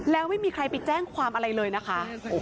แล้วไม่มีใครไปแจ้งความอะไรเลยนะคะ